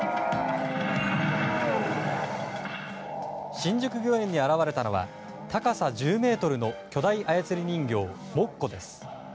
新宿御苑に現れたのは高さ１０ｍの巨大操り人形モッコです。